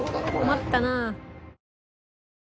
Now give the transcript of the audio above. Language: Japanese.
困ったなあ。